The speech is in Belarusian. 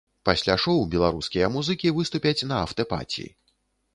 Пасля шоў беларускія музыкі выступяць і на афтэ-паці.